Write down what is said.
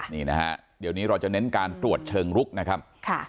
นี่นะฮะเดี๋ยวนี้เราจะเน้นการตรวจเชิงลุกนะครับ